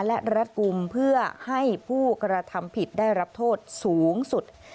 และรัดกลุ่มเพื่อให้ผู้กระทำผิดได้รับโทษสูงสุด